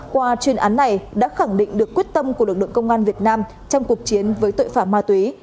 qua chuyên án này đã khẳng định được quyết tâm của lực lượng công an việt nam trong cuộc chiến với tội phạm ma túy